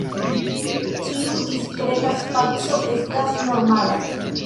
Ĉiu diskreta spaco estas normala.